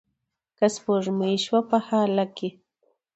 که سپوږمۍ شوه په هاله کې